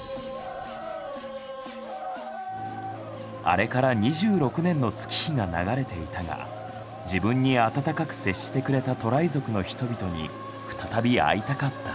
あれから２６年の月日が流れていたが自分に温かく接してくれたトライ族の人々に再び会いたかった。